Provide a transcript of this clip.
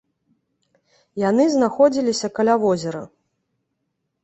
Яны знаходзіліся каля возера.